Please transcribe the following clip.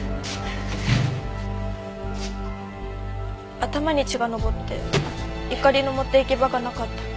頭に血が上って怒りの持って行き場がなかった。